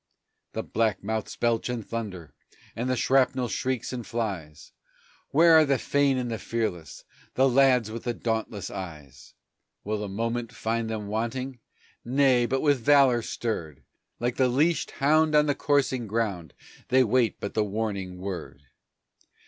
The black mouths belch and thunder, and the shrapnel shrieks and flies; Where are the fain and the fearless, the lads with the dauntless eyes? Will the moment find them wanting! Nay, but with valor stirred! Like the leashed hound on the coursing ground they wait but the warning word.